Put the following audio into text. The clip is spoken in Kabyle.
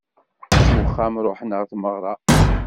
At uxxam ruḥen ɣer tmeɣra.